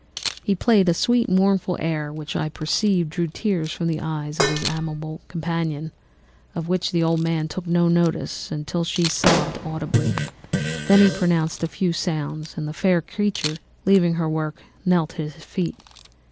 He played a sweet mournful air which I perceived drew tears from the eyes of his amiable companion, of which the old man took no notice, until she sobbed audibly; he then pronounced a few sounds, and the fair creature, leaving her work, knelt at his feet.